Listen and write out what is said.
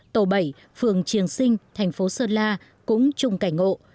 tổ bảy phường triềng sinh thành phố sơn la cũng chung cảnh ngộ